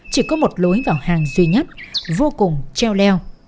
chỉ có một lối vào hàng duy nhất vô cùng treo leo